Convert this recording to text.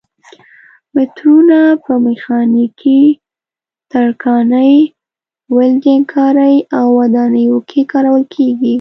مترونه په میخانیکي، ترکاڼۍ، ولډنګ کارۍ او ودانیو کې کارول کېږي.